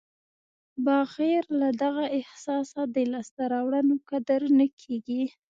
بغیر له دغه احساسه د لاسته راوړنو قدر نه کېږي.